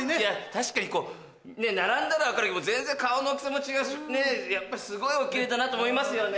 確かにこう並んだら分かるけど全然顔の大きさも違うしねぇやっぱりすごいおキレイだなと思いますよね。